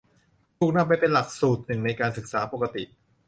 ถูกนำไปเป็นหลักสูตรหนึ่งในการศึกษาปกติ